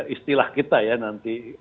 istilah kita ya nanti